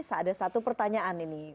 ada satu pertanyaan ini